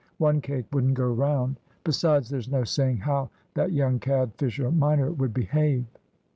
One cake wouldn't go round. Besides, there's no saying how that young cad Fisher minor would behave."